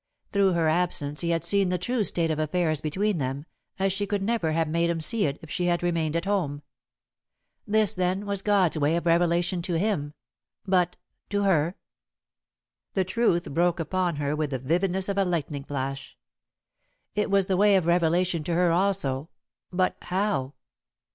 Through her absence he had seen the true state of affairs between them, as she could never have made him see it if she had remained at home. This, then, was God's way of revelation to him, but to her? The truth broke upon her with the vividness of a lightning flash. It was the way of revelation to her also, but how?